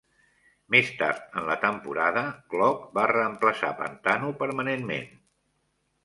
Més tard en la temporada, Glock va reemplaçar Pantano permanentment.